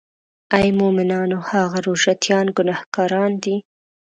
آی مومنانو هغه روژه تیان ګناهګاران دي.